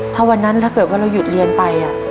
ถ้าวันนั้นถ้าเกิดว่าเราหยุดเรียนไป